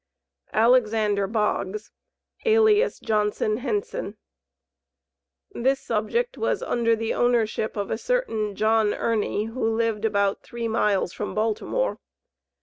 ALEXANDER BOGGS, alias JOHNSON HENSON. This subject was under the ownership of a certain John Ernie, who lived about three miles from Baltimore.